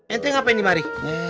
ente ngapain dimari